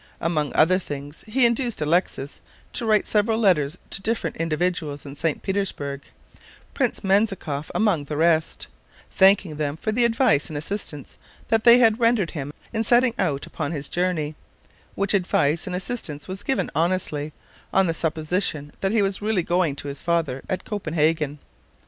Among other things, he induced Alexis to write several letters to different individuals in St. Petersburg Prince Menzikoff among the rest thanking them for the advice and assistance that they had rendered him in setting out upon his journey, which advice and assistance was given honestly, on the supposition that he was really going to his father at Copenhagen.